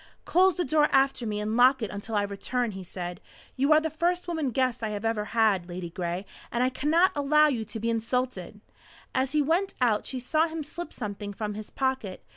"Close the door after me and lock it until I return," he said. "You are the first woman guest I ever had, Ladygray. I cannot allow you to be insulted!" As he went out she saw him slip something from his pocket.